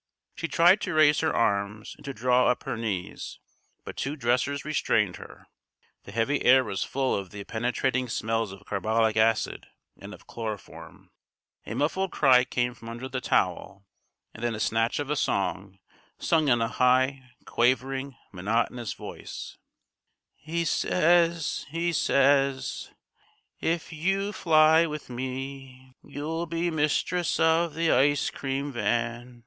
She tried to raise her arms and to draw up her knees, but two dressers restrained her. The heavy air was full of the penetrating smells of carbolic acid and of chloroform. A muffled cry came from under the towel, and then a snatch of a song, sung in a high, quavering, monotonous voice: "He says, says he, If you fly with me You'll be mistress of the ice cream van.